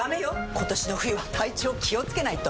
今年の冬は体調気をつけないと！